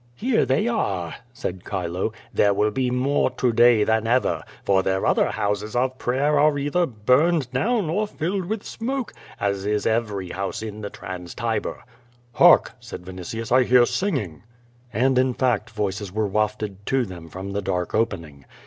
"Here they are/ said Chilo. "There will be more to day than ever, for their other houses of prayer are either burned down or filled with smoke, as is every house in the Trana Tiber.'' "HarkP' said Vinitius. "I hear singing.'' And, in fact, voices were wafted to them from the dark opening.